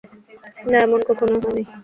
না, এমন কখনোই হয় নাই।